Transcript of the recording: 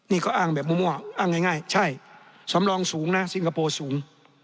นี่ก็อ้างแบบมั่วอ้างง่ายใช่สำรองสูงนะสิงคโปร์สูง